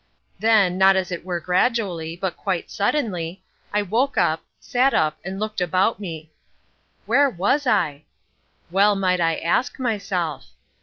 Then, not as it were gradually, but quite suddenly, I woke up, sat up, and looked about me. Where was I? Well might I ask myself.